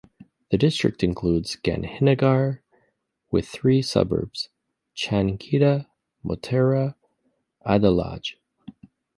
The district includes Gandhinagar with three Suburbs - Chandkheda, Motera, Adalaj.